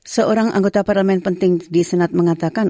seorang anggota parlemen penting di senat mengatakan